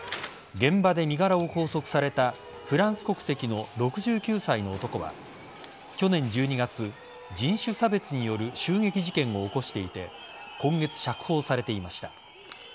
現場で身柄を拘束されたフランス国籍の６９歳の男は去年１２月、人種差別による襲撃事件を起こしていて今月釈放されていました。